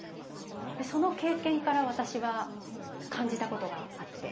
その経験から私は感じたことがあって。